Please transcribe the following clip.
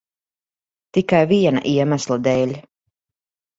Tikai viena iemesla dēļ.